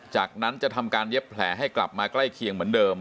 จากนั้นจะทำการเย็บแผลให้กลับมาใกล้เคียงเหมือนเดิม